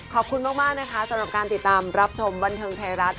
ขอบคุณมากนะคะสำหรับการติดตามรับชมบันเทิงไทยรัฐ